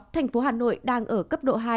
tp hà nội đang ở cấp độ hai